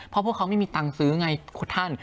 เพราะพวกเขาไม่มีตังค์ซื้อไงท่าน